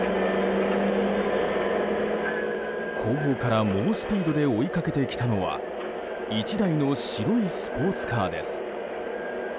後方から猛スピードで追いかけてきたのは１台の白いスポーツカーです。